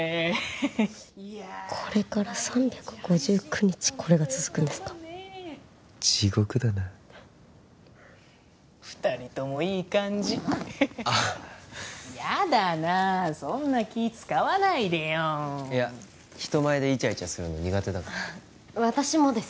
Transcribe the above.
ホントよく頑張るねこれが続くんですか地獄だな二人ともいい感じあっヤダなそんな気使わないでよいや人前でイチャイチャするの苦手だから私もです